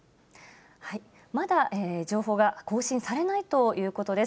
まだ情報が更新されないということです。